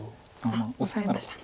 オサえました。